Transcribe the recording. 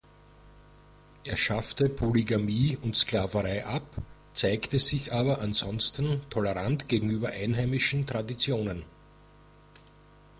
Er schaffte Polygamie und Sklaverei ab, zeigte sich aber ansonsten tolerant gegenüber einheimischen Traditionen.